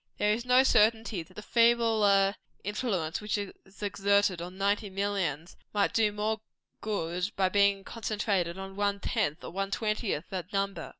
There is no certainty that the feebler influence which is exerted on ninety millions, might not do more good by being concentrated on one tenth or one twentieth that number.